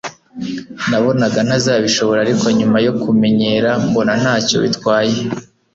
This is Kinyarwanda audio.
nabonaga ntazabishobora ariko nyuma yokumenyera mbona ntacyo bitwaye